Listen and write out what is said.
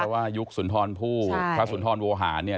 ว่ายุคสุนทรผู้พระสุนทรโวหารเนี่ย